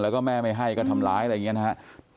แล้วก็แม่ไม่ให้ก็ทำร้ายอะไรอย่างนี้นะครับ